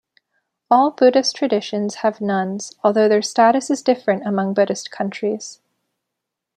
All Buddhist traditions have nuns, although their status is different among Buddhist countries.